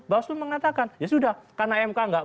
bawaslu mengatakan ya sudah karena mk nggak